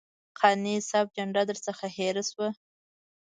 قانع صاحب جنډه درڅخه هېره شوه.